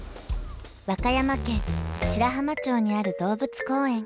和歌山県白浜町にある動物公園